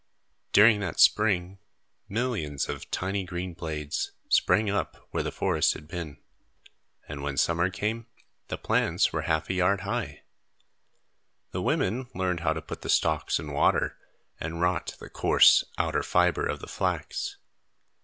During that spring, millions of tiny green blades sprang up where the forest had been, and when summer came, the plants were half a yard high. The women learned how to put the stalks in water and rot the coarse, outer fibre of the flax.